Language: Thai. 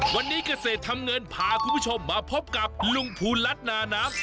วันนี้เกษตรทำเงินพาคุณผู้ชมมาพบกับลุงภูลรัฐนาน้ำ